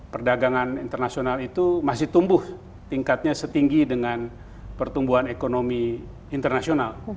perdagangan internasional itu masih tumbuh tingkatnya setinggi dengan pertumbuhan ekonomi internasional